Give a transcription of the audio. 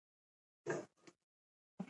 د بولان پټي د افغان کلتور په داستانونو کې راځي.